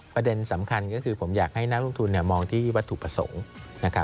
ประเด็นสำคัญก็คือผมอยากให้นักลงทุนมองที่วัตถุประสงค์